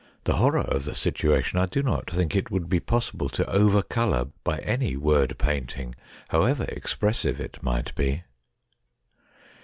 The horror of the situation I do not think it would be possible to over colour by any word painting, however expressive it might be.